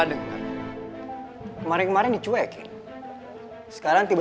enggak pokoknya hari ini kamu harus sama mama